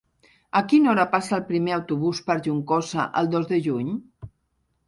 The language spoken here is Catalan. A quina hora passa el primer autobús per Juncosa el dos de juny?